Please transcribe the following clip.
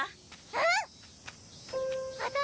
うん。